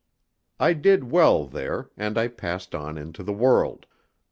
I did well there, and I passed on into the world.